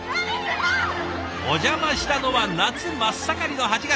お邪魔したのは夏真っ盛りの８月。